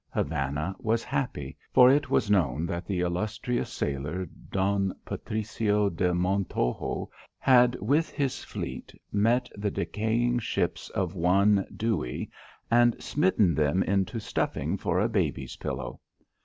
Havana was happy, for it was known that the illustrious sailor Don Patricio de Montojo had with his fleet met the decaying ships of one Dewey and smitten them into stuffing for a baby's pillow.